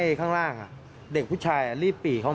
เมื่อวานแบงค์อยู่ไหนเมื่อวาน